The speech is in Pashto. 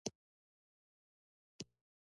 مېلمه ته د کور د امید څراغ شه.